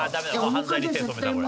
犯罪に手染めたこれ。